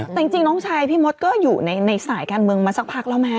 แต่จริงน้องชายพี่มดก็อยู่ในสายการเมืองมาสักพักแล้วไหม